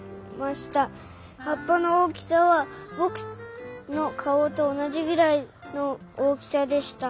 はっぱのおおきさはぼくのかおとおなじぐらいのおおきさでした。